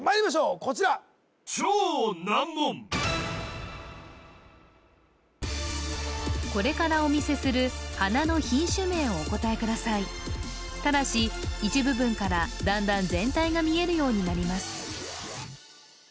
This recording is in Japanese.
こちらこれからお見せする花の品種名をお答えくださいただし一部分からだんだん全体が見えるようになります